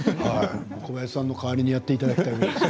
小林さんの代わりにやっていただきたいです。